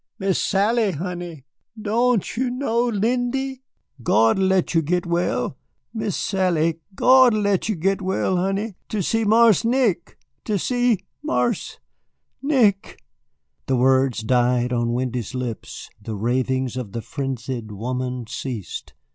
"Miss Sally, honey, doan you know Lindy? Gawd'll let you git well, Miss Sally, Gawd'll let you git well, honey, ter see Marse Nick ter see Marse Nick " The words died on Lindy's lips, the ravings of the frenzied woman ceased.